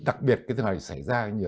đặc biệt cái thứ này xảy ra